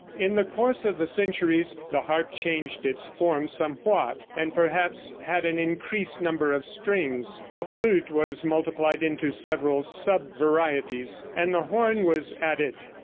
In the course of the centuries the harp changed its form somewhat, and perhaps had an increased number of strings; the flute was multiplied into several sub varieties, and the horn was added.